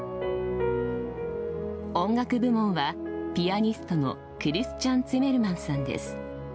音楽部門はピアニストのクリスチャン・ツィメルマンさんです。